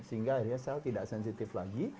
sehingga akhirnya sel tidak sensitif lagi